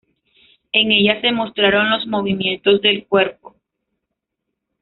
En ella se mostraron los movimientos del cuerpo.